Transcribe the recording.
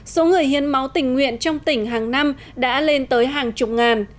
số người hiến máu tình nguyện trong tỉnh hàng năm đã lên tới hàng chục ngàn